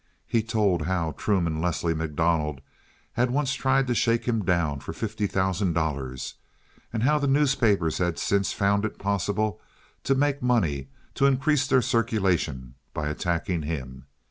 He told how Truman Leslie MacDonald had once tried to "shake him down" for fifty thousand dollars, and how the newspapers had since found it possible to make money, to increase their circulation, by attacking him.